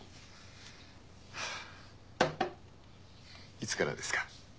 いつからですか？